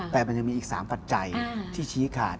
แต่มันยังมีอีก๓ปัจจัยที่ชี้ขาด